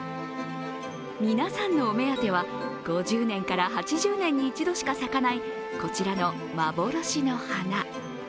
皆さんのお目当ては、５０年から８０年に一度しか咲かない、こちらの幻の花。